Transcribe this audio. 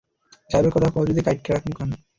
যাইবার কথা কও যদি কাইট্টা রাখমু কান।